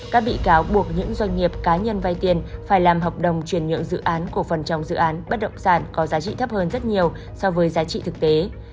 các bị cáo buộc những doanh nghiệp cá nhân vay tiền phải làm hợp đồng chuyển nhượng dự án của phần trong dự án bất động sản có giá trị thấp hơn rất nhiều so với giá trị thực tế